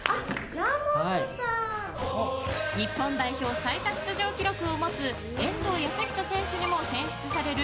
日本代表、最多出場記録を持つ遠藤保仁選手にも選出される